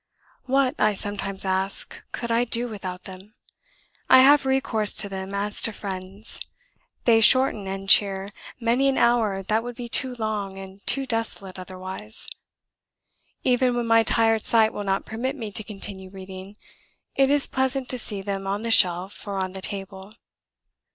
"What, I sometimes ask, could I do without them? I have recourse to them as to friends; they shorten and cheer many an hour that would be too long and too desolate otherwise; even when my tired sight will not permit me to continue reading, it is pleasant to see them on the shelf, or on the table.